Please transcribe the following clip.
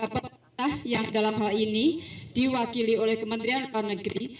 peperiksa yang dalam hal ini diwakili oleh kementerian pernegeri